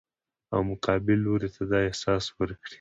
او مقابل لوري ته دا احساس ورکړي